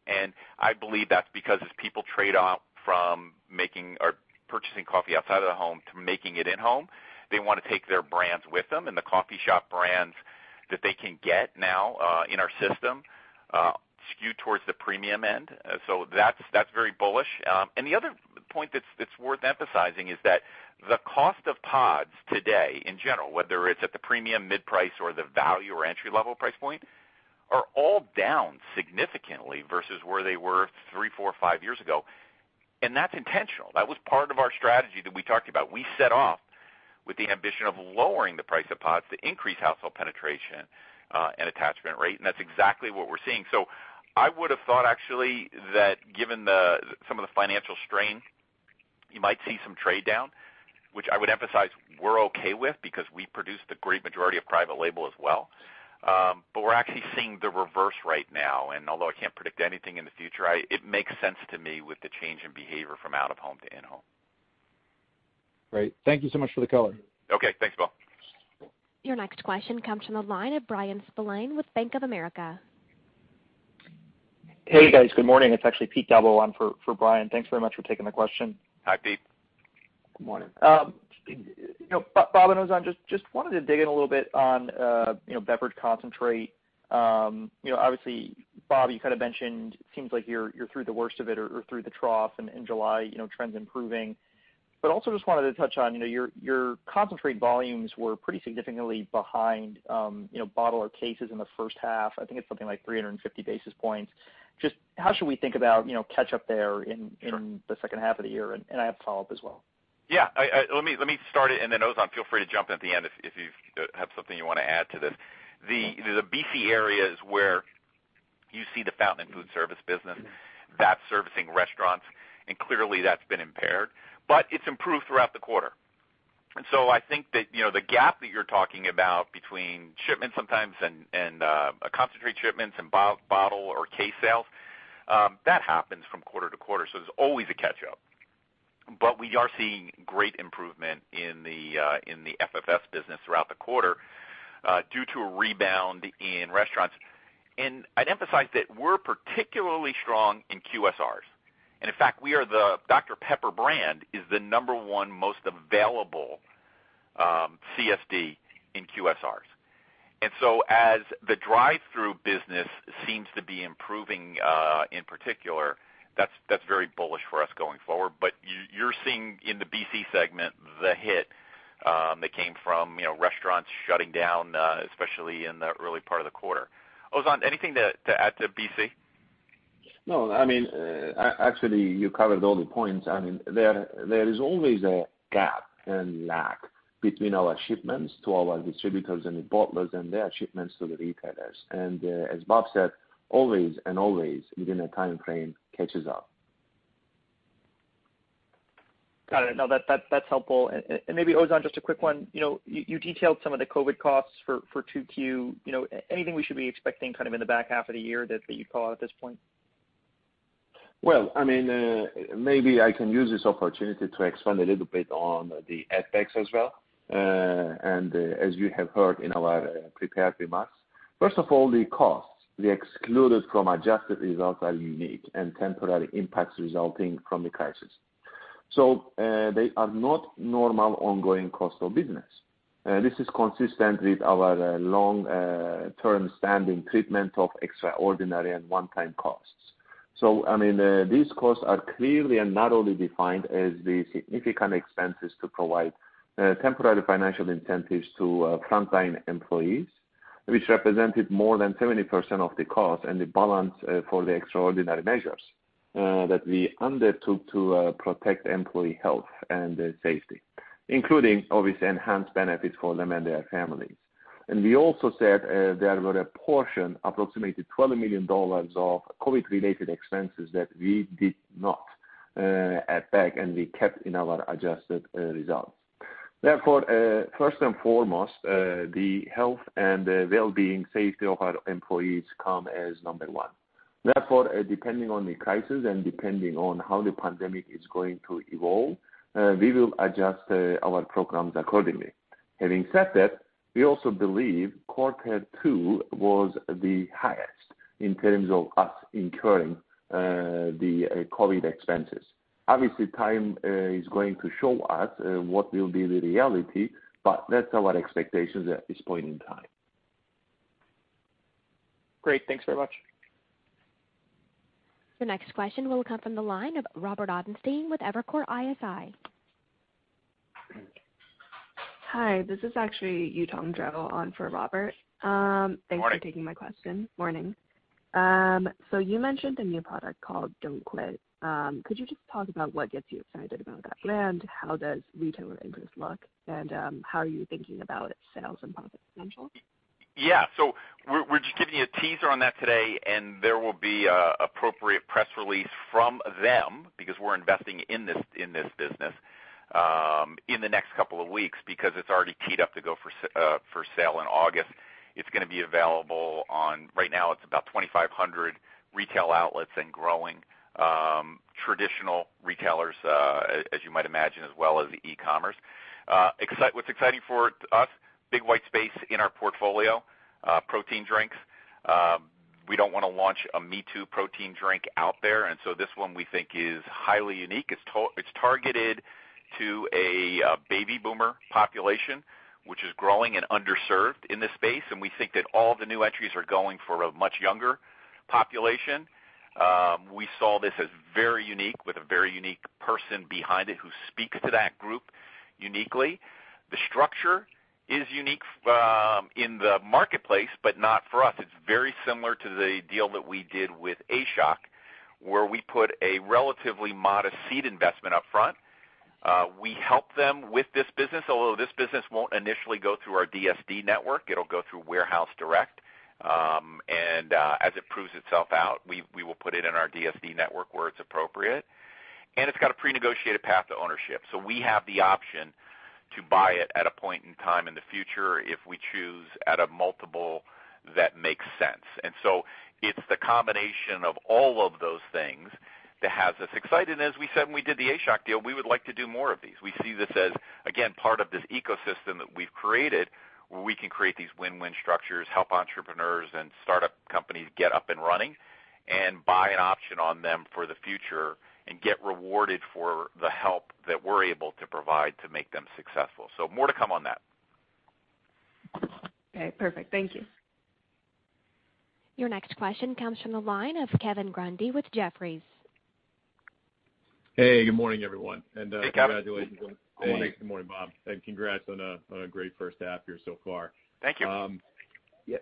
I believe that's because as people trade off from making or purchasing coffee outside of the home to making it at home, they want to take their brands with them. The coffee shop brands that they can get now in our system skew towards the premium end. That's very bullish. The other point that's worth emphasizing is that the cost of pods today in general, whether it's at the premium, mid-price, or the value or entry-level price point, are all down significantly versus where they were three, four, five years ago. That's intentional. That was part of our strategy that we talked about. We set off with the ambition of lowering the price of pods to increase household penetration and attachment rate, and that's exactly what we're seeing. I would have thought, actually, that given some of the financial strain, you might see some trade down, which I would emphasize we're okay with because we produce the great majority of private label as well. We're actually seeing the reverse right now. Although I can't predict anything in the future, it makes sense to me with the change in behavior from out of home to in home. Great. Thank you so much for the color. Okay. Thanks, Bill. Your next question comes from the line of Bryan Spillane with Bank of America. Hey, guys. Good morning. It's actually Pete Galbo on for Bryan. Thanks very much for taking the question. Hi, Pete. Good morning. Bob and Ozan, just wanted to dig in a little bit on beverage concentrate. Obviously, Bob, you kind of mentioned, it seems like you're through the worst of it or through the trough and in July trends improving. Also just wanted to touch on your concentrate volumes were pretty significantly behind bottle or cases in the first half. I think it's something like 350 basis points. Just how should we think about catch up there? Sure the second half of the year? I have a follow-up as well. Yeah. Let me start it, and then Ozan, feel free to jump in at the end if you have something you want to add to this. The BC area is where you see the fountain and food service business that's servicing restaurants, and clearly that's been impaired, but it's improved throughout the quarter. I think that the gap that you're talking about between shipments sometimes and concentrate shipments and bottle or case sales, that happens from quarter to quarter. We are seeing great improvement in the FFS business throughout the quarter due to a rebound in restaurants. I'd emphasize that we're particularly strong in QSRs. In fact, Dr Pepper brand is the number one most available CSD in QSRs. As the drive-thru business seems to be improving in particular. That's very bullish for us going forward. You're seeing in the BC segment the hit that came from restaurants shutting down, especially in the early part of the quarter. Ozan, anything to add to BC? No. Actually, you covered all the points. There is always a gap and lag between our shipments to our distributors and the bottlers and their shipments to the retailers. As Bob said, always within a time frame, catches up. Got it. No, that's helpful. Maybe Ozan, just a quick one. You detailed some of the COVID costs for 2Q. Anything we should be expecting kind of in the back half of the year that you'd call out at this point? Well, maybe I can use this opportunity to expand a little bit on the FX as well. As you have heard in our prepared remarks, first of all, the costs we excluded from adjusted results are unique and temporary impacts resulting from the crisis. They are not normal ongoing cost of business. This is consistent with our long-term standing treatment of extraordinary and one-time costs. These costs are clearly and narrowly defined as the significant expenses to provide temporary financial incentives to frontline employees, which represented more than 70% of the cost and the balance for the extraordinary measures that we undertook to protect employee health and safety, including, obviously, enhanced benefits for them and their families. We also said there were a portion, approximately $12 million of COVID-related expenses that we did not add back, and we kept in our adjusted results. First and foremost, the health and the well-being, safety of our employees come as number 1. Depending on the crisis and depending on how the pandemic is going to evolve, we will adjust our programs accordingly. Having said that, we also believe quarter 2 was the highest in terms of us incurring the COVID expenses. Obviously, time is going to show us what will be the reality, but that's our expectations at this point in time. Great. Thanks very much. The next question will come from the line of Robert Ottenstein with Evercore ISI. Hi, this is actually Yutong Zhao on for Robert. Morning. Thanks for taking my question. Morning. You mentioned the new product called Don't Quit!. Could you just talk about what gets you excited about that brand? How does retailer interest look? How are you thinking about its sales and profit potential? Yeah. We're just giving you a teaser on that today, and there will be an appropriate press release from them, because we're investing in this business, in the next couple of weeks because it's already teed up to go for sale in August. It's going to be available on, right now, it's about 2,500 retail outlets and growing. Traditional retailers, as you might imagine, as well as e-commerce. What's exciting for us: big white space in our portfolio, protein drinks. We don't want to launch a me-too protein drink out there. This one we think is highly unique. It's targeted to a baby boomer population, which is growing and underserved in this space. We think that all the new entries are going for a much younger population. We saw this as very unique with a very unique person behind it who speaks to that group uniquely. The structure is unique in the marketplace, but not for us. It's very similar to the deal that we did with Adrenaline Shoc, where we put a relatively modest seed investment up front. We help them with this business, although this business won't initially go through our DSD network. It'll go through warehouse direct. As it proves itself out, we will put it in our DSD network where it's appropriate. It's got a pre-negotiated path to ownership. We have the option to buy it at a point in time in the future if we choose at a multiple that makes sense. It's the combination of all of those things that has us excited. As we said when we did the Adrenaline Shoc deal, we would like to do more of these. We see this as, again, part of this ecosystem that we've created where we can create these win-win structures, help entrepreneurs and startup companies get up and running, and buy an option on them for the future and get rewarded for the help that we're able to provide to make them successful. More to come on that. Okay, perfect. Thank you. Your next question comes from the line of Kevin Grundy with Jefferies. Hey, good morning, everyone. Hey, Kevin. Hey, good morning, Bob, and congrats on a great first half year so far. Thank you. Yeah.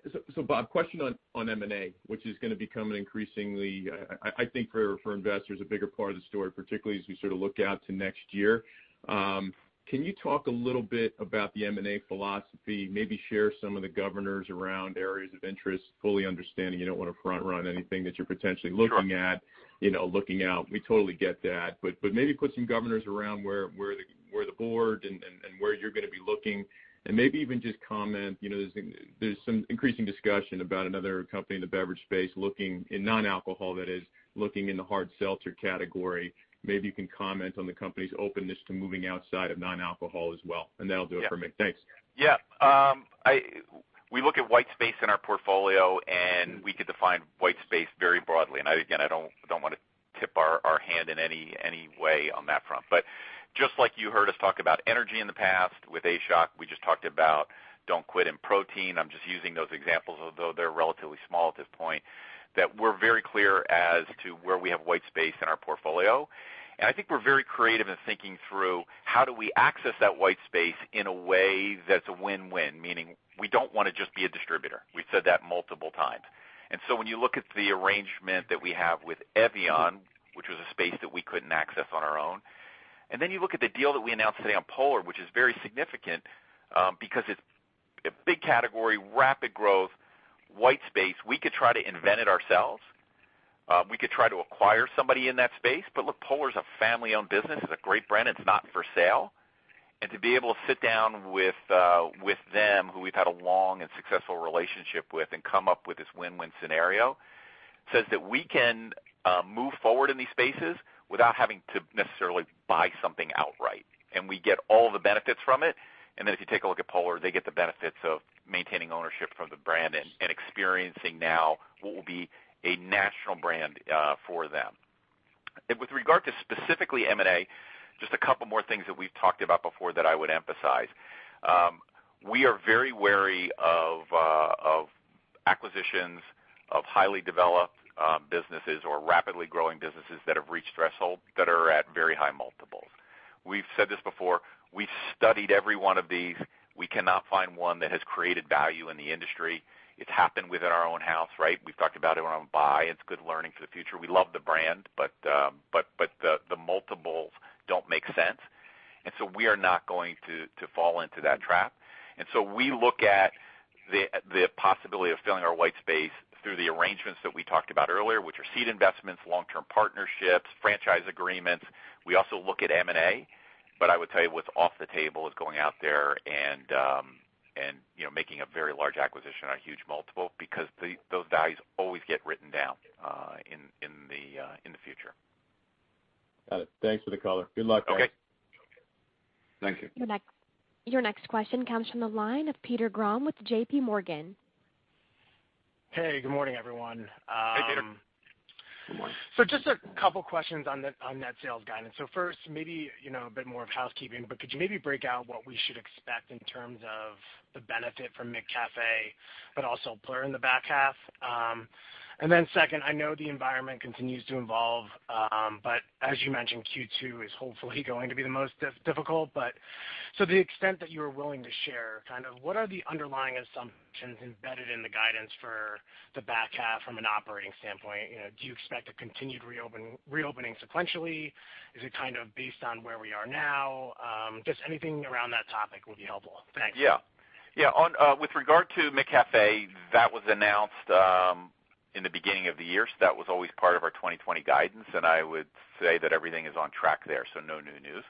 Bob, question on M&A, which is gonna become an increasingly, I think for investors, a bigger part of the story, particularly as we sort of look out to next year. Can you talk a little bit about the M&A philosophy, maybe share some of the governors around areas of interest, fully understanding you don't want to front run anything that you're potentially looking at, looking out. We totally get that. Maybe put some governors around where the board and where you're gonna be looking and maybe even just comment, there's some increasing discussion about another company in the beverage space looking, in non-alcohol that is, looking in the hard seltzer category. Maybe you can comment on the company's openness to moving outside of non-alcohol as well, and that'll do it for me. Yeah. Thanks. Yeah. We look at white space in our portfolio, and we could define white space very broadly. Again, I don't want to tip our hand in any way on that front. Just like you heard us talk about energy in the past with Adrenaline Shoc, we just talked about Don't Quit! in protein. I'm just using those examples, although they're relatively small at this point, that we're very clear as to where we have white space in our portfolio. I think we're very creative in thinking through how do we access that white space in a way that's a win-win, meaning we don't want to just be a distributor. We've said that multiple times. When you look at the arrangement that we have with evian, which was a space that we couldn't access on our own, and then you look at the deal that we announced today on Polar, which is very significant because it's a big category, rapid growth, white space. We could try to invent it ourselves. We could try to acquire somebody in that space. Look, Polar is a family-owned business. It's a great brand. It's not for sale. To be able to sit down with them, who we've had a long and successful relationship with and come up with this win-win scenario, says that we can move forward in these spaces without having to necessarily buy something outright. We get all the benefits from it. If you take a look at Polar, they get the benefits of maintaining ownership from the brand and experiencing now what will be a national brand for them. Specifically M&A, just a couple more things that we've talked about before that I would emphasize. We are very wary of acquisitions of highly developed businesses or rapidly growing businesses that have reached threshold that are at very high multiples. We've said this before. We studied every one of these. We cannot find one that has created value in the industry. It's happened within our own house, right? We've talked about it on Bai. It's good learning for the future. We love the brand, but the multiples don't make sense, and so we are not going to fall into that trap. We look at the possibility of filling our white space through the arrangements that we talked about earlier, which are seed investments, long-term partnerships, franchise agreements. We also look at M&A. I would tell you what's off the table is going out there and making a very large acquisition, a huge multiple, because those values always get written down in the future. Got it. Thanks for the color. Good luck, guys. Okay. Thank you. Your next question comes from the line of Peter Grom with JPMorgan. Hey, good morning, everyone. Hey, Peter. Good morning. Just a couple questions on net sales guidance. First, maybe a bit more of housekeeping, but could you maybe break out what we should expect in terms of the benefit from McCafé, but also Polar in the back half? Second, I know the environment continues to evolve, but as you mentioned, Q2 is hopefully going to be the most difficult. To the extent that you are willing to share, what are the underlying assumptions embedded in the guidance for the back half from an operating standpoint? Do you expect a continued reopening sequentially? Is it kind of based on where we are now? Just anything around that topic would be helpful. Thanks. With regard to McCafé, that was announced in the beginning of the year. That was always part of our 2020 guidance, and I would say that everything is on track there. No new news.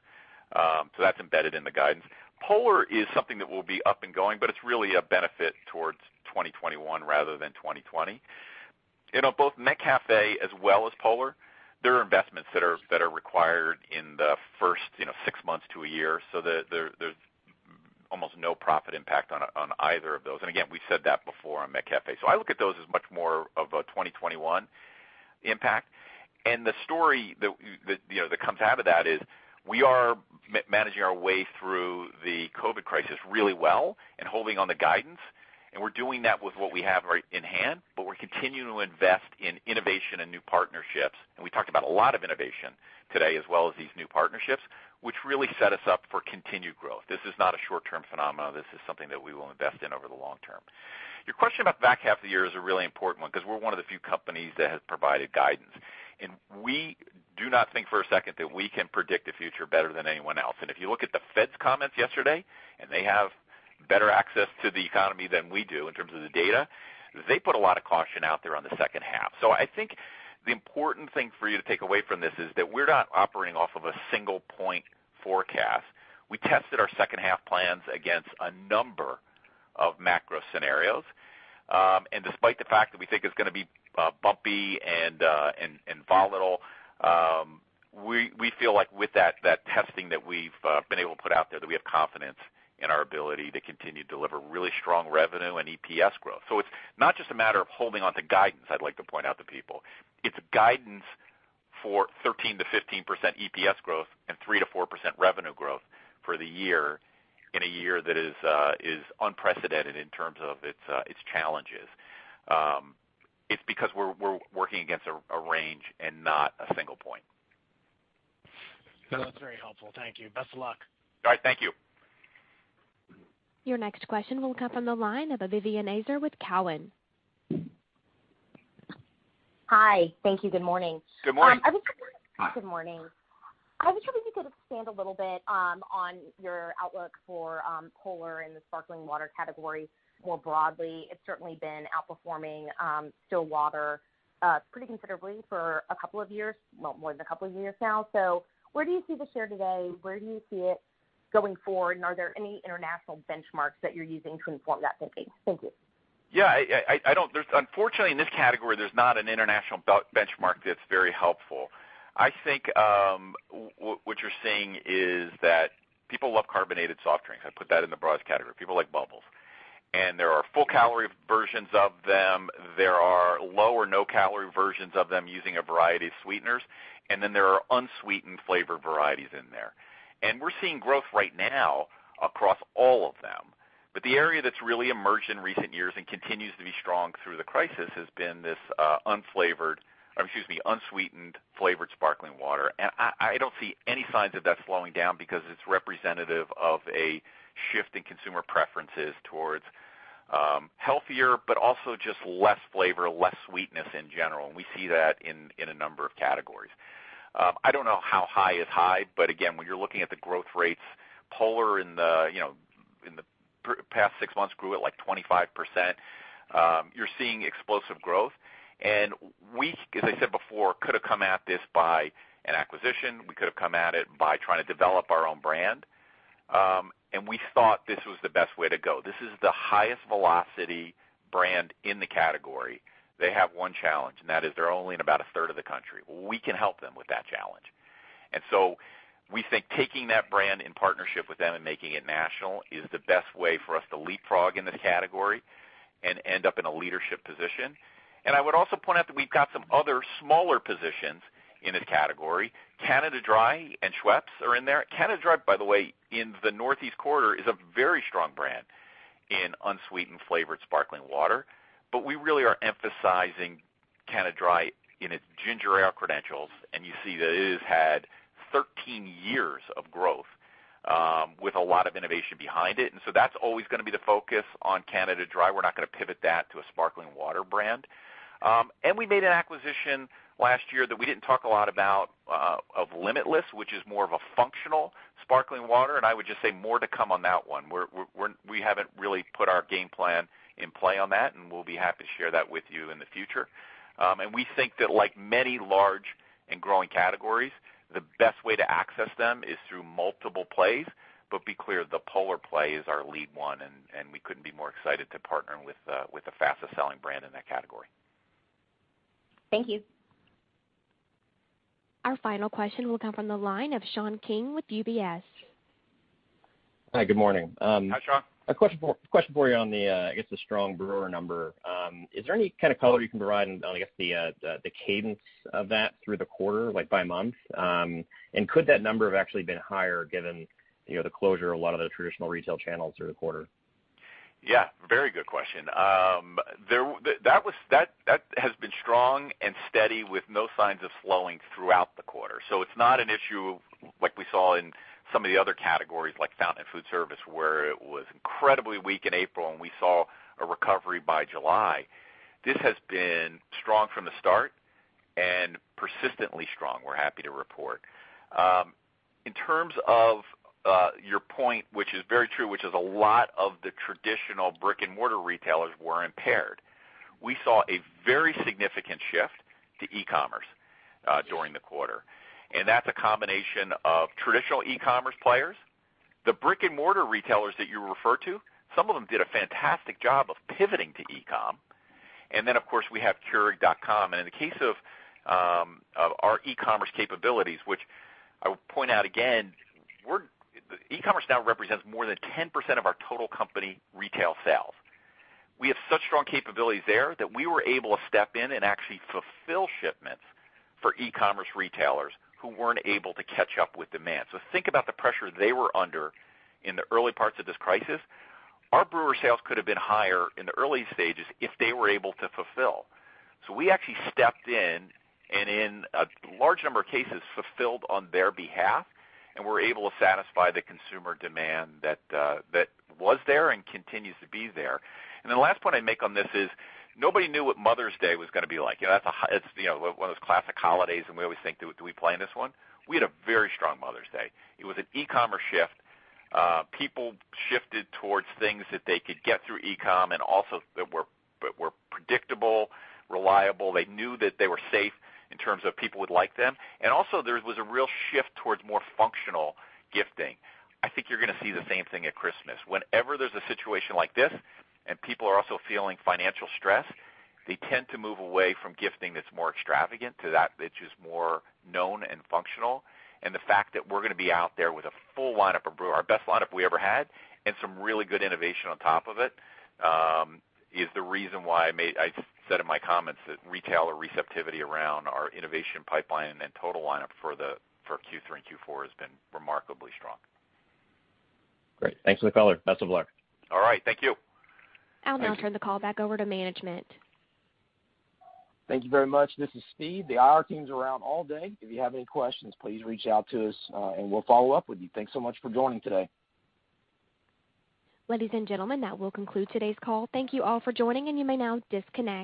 That's embedded in the guidance. Polar is something that will be up and going. It's really a benefit towards 2021 rather than 2020. Both McCafé as well as Polar, there are investments that are required in the first six months to a year. There's almost no profit impact on either of those. Again, we've said that before on McCafé. I look at those as much more of a 2021 impact. The story that comes out of that is we are managing our way through the COVID crisis really well and holding on the guidance, and we're doing that with what we have in hand, but we're continuing to invest in innovation and new partnerships. We talked about a lot of innovation today, as well as these new partnerships, which really set us up for continued growth. This is not a short-term phenomenon. This is something that we will invest in over the long term. Your question about the back half of the year is a really important one because we're one of the few companies that has provided guidance, and we do not think for a second that we can predict the future better than anyone else. If you look at the Fed's comments yesterday, and they have better access to the economy than we do in terms of the data, they put a lot of caution out there on the second half. I think the important thing for you to take away from this is that we're not operating off of a single point forecast. We tested our second half plans against a number of macro scenarios. Despite the fact that we think it's going to be bumpy and volatile, we feel like with that testing that we've been able to put out there, that we have confidence in our ability to continue to deliver really strong revenue and EPS growth. It's not just a matter of holding onto guidance, I'd like to point out to people. It's guidance for 13%-15% EPS growth and 3%-4% revenue growth for the year in a year that is unprecedented in terms of its challenges. It's because we're working against a range and not a single point. That's very helpful. Thank you. Best of luck. All right. Thank you. Your next question will come from the line of Vivien Azer with Cowen. Hi. Thank you. Good morning. Good morning. Good morning. I was wondering if you could expand a little bit on your outlook for Polar and the sparkling water category more broadly. It's certainly been outperforming still water pretty considerably for a couple of years, well more than a couple of years now. Where do you see the share today? Where do you see it going forward? Are there any international benchmarks that you're using to inform that thinking? Thank you. Unfortunately, in this category, there's not an international benchmark that's very helpful. I think what you're seeing is that people love carbonated soft drinks. I put that in the broadest category. People like bubbles. There are full-calorie versions of them. There are low or no-calorie versions of them using a variety of sweeteners. There are unsweetened flavored varieties in there. We're seeing growth right now across all of them. The area that's really emerged in recent years and continues to be strong through the crisis has been this unflavored, or excuse me, unsweetened flavored sparkling water. I don't see any signs of that slowing down because it's representative of a shift in consumer preferences towards healthier, but also just less flavor, less sweetness in general, and we see that in a number of categories. I don't know how high is high, but again, when you're looking at the growth rates, Polar in the past six months grew at, like, 25%. You're seeing explosive growth. We, as I said before, could have come at this by an acquisition. We could have come at it by trying to develop our own brand. We thought this was the best way to go. This is the highest velocity brand in the category. They have one challenge, and that is they're only in about a third of the country. Well, we can help them with that challenge. We think taking that brand in partnership with them and making it national is the best way for us to leapfrog in the category and end up in a leadership position. I would also point out that we've got some other smaller positions in the category. Canada Dry and Schweppes are in there. Canada Dry, by the way, in the Northeast corridor, is a very strong brand in unsweetened flavored sparkling water. We really are emphasizing Canada Dry in its ginger ale credentials, and you see that it has had 13 years of growth with a lot of innovation behind it. That's always going to be the focus on Canada Dry. We're not going to pivot that to a sparkling water brand. We made an acquisition last year that we didn't talk a lot about of Limitless, which is more of a functional sparkling water, and I would just say more to come on that one. We haven't really put our game plan in play on that, and we'll be happy to share that with you in the future. We think that like many large and growing categories, the best way to access them is through multiple plays. Be clear, the Polar play is our lead one, and we couldn't be more excited to partner with the fastest-selling brand in that category. Thank you. Our final question will come from the line of Sean King with UBS. Hi, good morning. Hi, Sean. A question for you on the, I guess, the strong brewer number. Is there any kind of color you can provide on, I guess, the cadence of that through the quarter, like by month? Could that number have actually been higher given the closure of a lot of the traditional retail channels through the quarter? Yeah, very good question. That has been strong and steady with no signs of slowing throughout the quarter. It's not an issue like we saw in some of the other categories, like fountain food service, where it was incredibly weak in April and we saw a recovery by July. This has been strong from the start and persistently strong, we're happy to report. In terms of your point, which is very true, which is a lot of the traditional brick-and-mortar retailers were impaired. We saw a very significant shift to e-commerce during the quarter, and that's a combination of traditional e-commerce players. The brick-and-mortar retailers that you refer to, some of them did a fantastic job of pivoting to e-com. Of course, we have keurig.com. In the case of our e-commerce capabilities, which I will point out again, e-commerce now represents more than 10% of our total company retail sales. We have such strong capabilities there that we were able to step in and actually fulfill shipments for e-commerce retailers who weren't able to catch up with demand. Think about the pressure they were under in the early parts of this crisis. Our brewer sales could have been higher in the early stages if they were able to fulfill. We actually stepped in, and in a large number of cases, fulfilled on their behalf. We're able to satisfy the consumer demand that was there and continues to be there. The last point I'd make on this is nobody knew what Mother's Day was gonna be like. That's one of those classic holidays. We always think, do we play in this one? We had a very strong Mother's Day. It was an e-commerce shift. People shifted towards things that they could get through e-com and also that were predictable, reliable. They knew that they were safe in terms of people would like them. Also, there was a real shift towards more functional gifting. I think you're gonna see the same thing at Christmas. Whenever there's a situation like this and people are also feeling financial stress, they tend to move away from gifting that's more extravagant to that which is more known and functional. The fact that we're going to be out there with a full lineup of brewer, our best lineup we ever had, and some really good innovation on top of it, is the reason why I said in my comments that retailer receptivity around our innovation pipeline and total lineup for Q3 and Q4 has been remarkably strong. Great. Thanks for the color. Best of luck. All right. Thank you. I'll now turn the call back over to management. Thank you very much. This is Steve. The IR team's around all day. If you have any questions, please reach out to us, and we'll follow up with you. Thanks so much for joining today. Ladies and gentlemen, that will conclude today's call. Thank you all for joining, and you may now disconnect.